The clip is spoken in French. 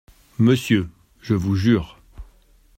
Monsieur… je vous jure…